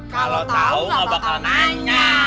kalau tahu nggak bakal nanya